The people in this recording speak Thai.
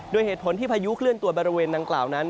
โดยเหตุผลที่พายุเคลื่อนตัวบริเวณดังกล่าวนั้น